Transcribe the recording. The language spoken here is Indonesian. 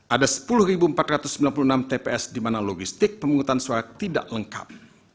ada sepuluh empat ratus sembilan puluh enam tps di mana logistik pemungutan suara tidak lengkap